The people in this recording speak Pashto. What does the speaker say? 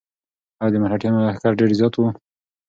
ایا د مرهټیانو لښکر ډېر زیات و؟